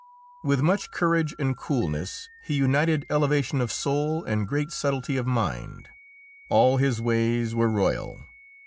With much courage and coolness he united elevation of soul and great subtlety of mind; all his ways were royal.